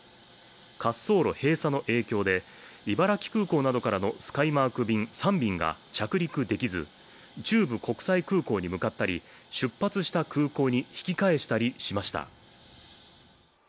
滑走路閉鎖の影響で茨城空港などからのスカイマーク便３便が着陸できず、中部国際空港に向かったり出発した空港に引き返したりしました。